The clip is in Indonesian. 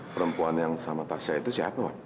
perempuan yang sama tasya itu siapa pak